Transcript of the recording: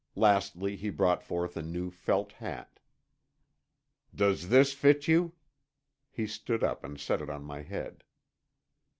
Lastly he brought forth a new felt hat. "Does this fit you?" He stood up and set it on my head.